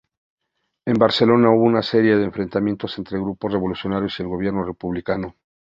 En Barcelona hubo una serie de enfrentamientos entre grupos revolucionarios y el gobierno republicano.